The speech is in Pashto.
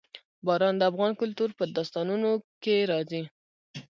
باران د افغان کلتور په داستانونو کې راځي.